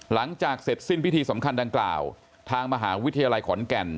หลังจากเสร็จสิ้นพิธีสำคัญดังกล่าวทางมหาวิทยาลัยขอนแก่น